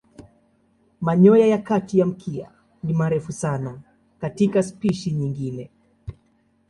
Manyoya ya kati ya mkia ni marefu sana katika spishi nyingine.